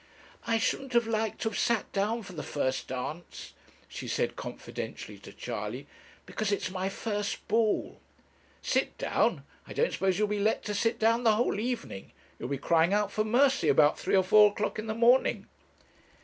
'I shouldn't have liked to have sat down for the first dance,' she said confidentially to Charley, 'because it's my first ball.' 'Sit down! I don't suppose you'll be let to sit down the whole evening. You'll be crying out for mercy about three or four o'clock in the morning.'